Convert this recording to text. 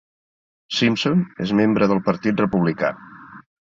Simpson és membre del Partit Republicà.